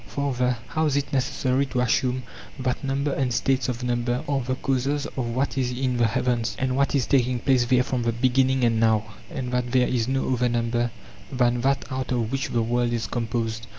Farther, how is if necessary to assume that number and states of number are the causes of what is in the heavens and what is taking place there from the beginning and now, and that there is no other number than that out of which the world is composed?